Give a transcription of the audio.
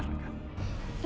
memangnya tuhan ini siapa